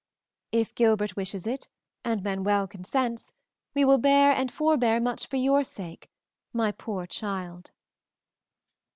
"If Gilbert wishes it and Manuel consents, we will bear and forbear much for your sake, my poor child."